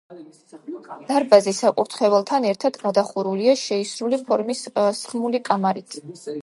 დარბაზი საკურთხეველთან ერთად გადახურულია შეისრული ფორმის სხმული კამარით.